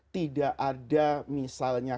tidak ada misalnya